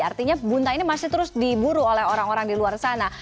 artinya bunta ini masih terus diburu oleh orang orang di luar sana